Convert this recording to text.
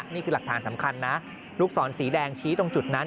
นี่คือหลักฐานสำคัญนะลูกศรสีแดงชี้ตรงจุดนั้น